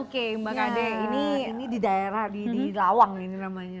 oke mbak ade ini di daerah di lawang ini namanya